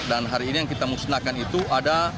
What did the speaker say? dan hari ini yang kita musnahkan itu ada